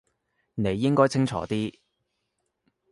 你應該清楚啲